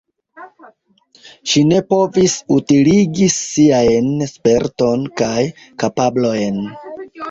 Ŝi ne povis utiligi siajn sperton kaj kapablojn.